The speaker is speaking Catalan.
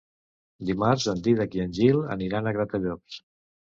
Dimarts en Dídac i en Gil aniran a Gratallops.